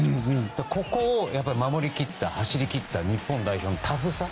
ここを守り切った、走り切った日本代表のタフさ